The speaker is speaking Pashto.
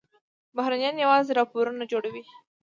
بهرنیان یوازې راپورونه جوړوي.